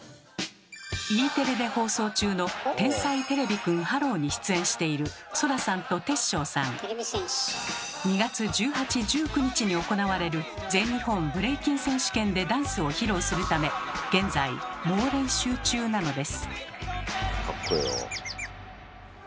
Ｅテレで放送中の「天才てれびくんｈｅｌｌｏ，」に出演している２月１８１９日に行われる「全日本ブレイキン選手権」でダンスを披露するため現在猛練習中なのです。